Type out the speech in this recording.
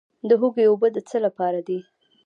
د هوږې اوبه د څه لپاره دي؟